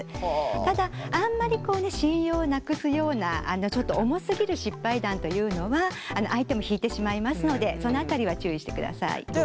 ただあんまり信用をなくすようなちょっと重すぎる失敗談というのは相手も引いてしまいますのでその辺りは注意してください。